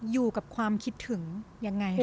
อยู่กับความคิดถึงยังไง